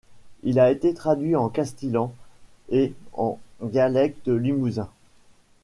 Il a été traduit en castillan et en dialecte limousin.